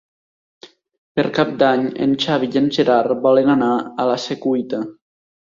Per Cap d'Any en Xavi i en Gerard volen anar a la Secuita.